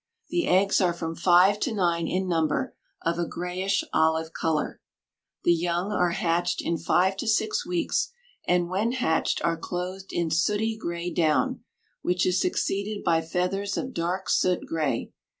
The eggs are from five to nine in number, of a grayish olive color. The young are hatched in five to six weeks, and when hatched are clothed in sooty gray down, which is succeeded by feathers of dark soot gray.